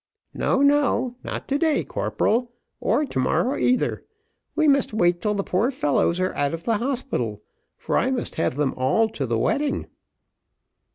"No, no, not to day, corporal, or to morrow either, we must wait till the poor fellows are out of the hospital, for I must have them all to the wedding."